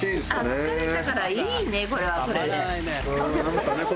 疲れたからいいねこれはこれで。